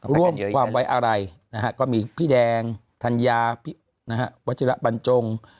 ร่วมความไว้อาลัยนะครับก็มีพี่แดงธัญญาวัจจิระปัญจง